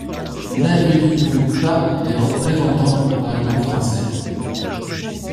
N’avez-vous donc pas des représentants au Parlement français?...